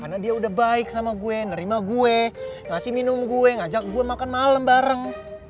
karena dia udah baik sama gue nerima gue ngasih minum gue ngajak gue makan malem bareng